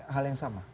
hal yang sama